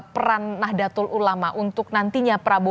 peran nahdlatul ulama untuk nantinya prabowo